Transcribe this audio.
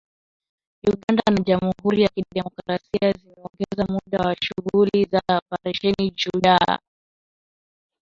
Uganda na Jamhuri ya Kidemokrasia zimeongeza muda wa shughuli za Operesheni Shujaa